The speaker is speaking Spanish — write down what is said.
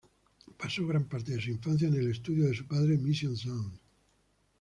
Pasó gran parte de su infancia en el estudio de su padre, Mission Sound.